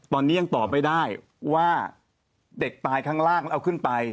ตอนนี้ยังตอบไม่ได้ว่าเด็กตายข้างล่างแล้วเอาขึ้นไป